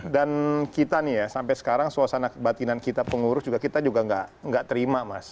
dan kita nih ya sampai sekarang suasana kebatinan kita pengurus juga kita juga nggak terima mas